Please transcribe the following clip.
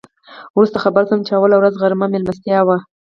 وروسته خبر شوم چې اوله ورځ غرمه میلمستیا وه.